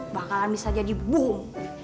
bakalan bisa jadi boom